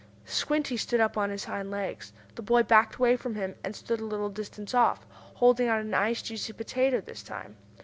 Squinty stood up on his hind legs. The boy backed away from him, and stood a little distance off, holding out a nice, juicy potato this time.